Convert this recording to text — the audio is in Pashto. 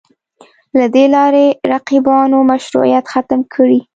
له دې لارې رقیبانو مشروعیت ختم کړي